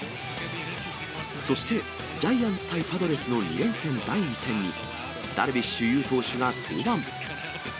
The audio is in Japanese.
そしてジャイアンツ対パドレスの２連戦第２戦にダルビッシュ有投手が登板。